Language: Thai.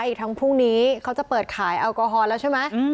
อีกทั้งพรุ่งนี้เขาจะเปิดขายแอลกอฮอล์แล้วใช่ไหม